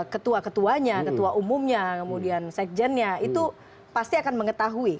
ketua ketuanya ketua umumnya kemudian sekjennya itu pasti akan mengetahui